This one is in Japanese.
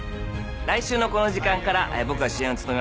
来週のこの時間から僕が主演を務めます